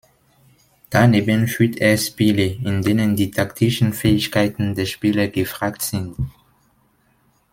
Daneben führt er Spiele, in denen die taktischen Fähigkeiten der Spieler gefragt sind.